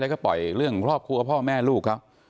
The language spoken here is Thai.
แล้วก็ปล่อยเรื่องครอบครัวพ่อแม่ลูกเขา